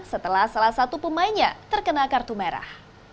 setelah salah satu pemainnya terkena kartu merah